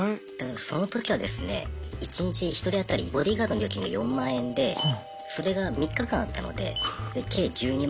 その時はですね一日１人当たりボディーガードの料金が４万円でそれが３日間あったので計１２万。